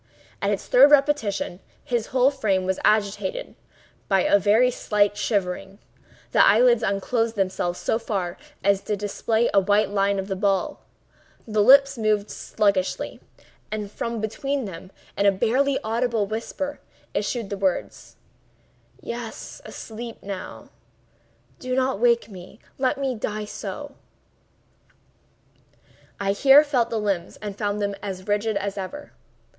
At its third repetition, his whole frame was agitated by a very slight shivering; the eyelids unclosed themselves so far as to display a white line of the ball; the lips moved sluggishly, and from between them, in a barely audible whisper, issued the words: "Yes;—asleep now. Do not wake me!—let me die so!" I here felt the limbs and found them as rigid as ever.